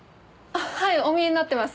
はいお見えになってますよ。